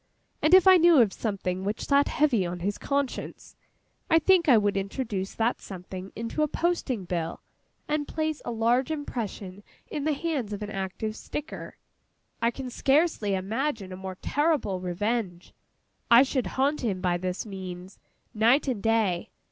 —and if I knew of something which sat heavy on his conscience, I think I would introduce that something into a Posting Bill, and place a large impression in the hands of an active sticker. I can scarcely imagine a more terrible revenge. I should haunt him, by this means, night and day.